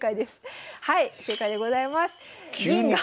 はい正解でございます。